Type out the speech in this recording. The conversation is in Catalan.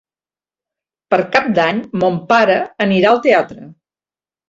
Per Cap d'Any mon pare anirà al teatre.